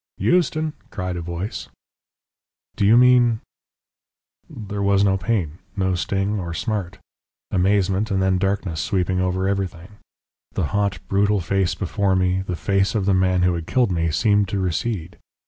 "Euston!" cried a voice. "Do you mean ?" "There was no pain, no sting or smart. Amazement and then darkness sweeping over everything. The hot, brutal face before me, the face of the man who had killed me, seemed to recede.